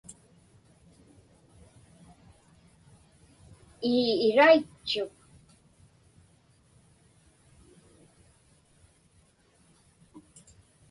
Ii, iraitchuk.